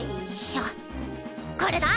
これだ！